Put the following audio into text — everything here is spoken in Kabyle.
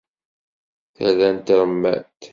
Tala n tṛemmant.